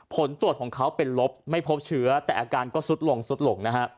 ผลตรวจของเขาเป็นลบไม่พบเชื้อแต่อาการก็สุดลงสุดลงนะฮะ